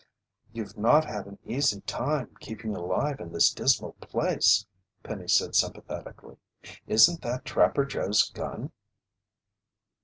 "You've not had an easy time keeping alive in this dismal place," Penny said sympathetically. "Isn't that Trapper Joe's gun?"